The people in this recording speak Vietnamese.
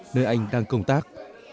nơi anh đang công tác